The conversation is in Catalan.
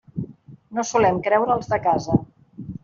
No solem creure els de casa.